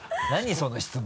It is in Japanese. その質問。